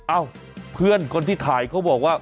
เอ้าเพื่อนคนที่ถ่ายเขาบอกว่า